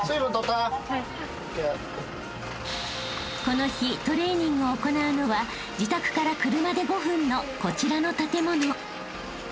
［この日トレーニングを行うのは自宅から車で５分のこちらの建物］